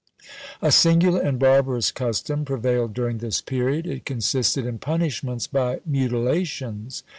A singular and barbarous custom prevailed during this period; it consisted in punishments by mutilations.